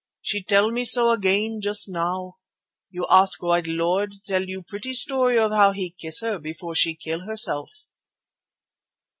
She tell me so again just now. You ask white lord tell you pretty story of how he kiss her before she kill herself."